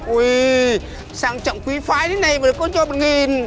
ui sáng trọng quý phái thế này mà cô cho một nghìn